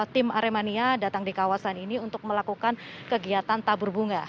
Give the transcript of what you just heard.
tim aremania datang di kawasan ini untuk melakukan kegiatan tabur bunga